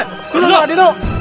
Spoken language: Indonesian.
turun mbak dino